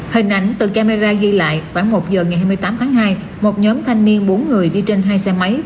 hình ảnh từ camera ghi lại khoảng một giờ ngày hai mươi tám tháng hai một nhóm thanh niên bốn người đi trên hai xe máy